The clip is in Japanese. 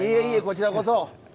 いえいえこちらこそ。